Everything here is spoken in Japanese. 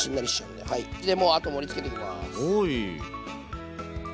でもうあと盛りつけていきます。